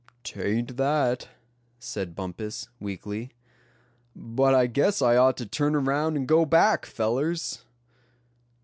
"'Tain't that," said Bumpus, weakly; "but I guess I ought to turn around, and go back, fellers."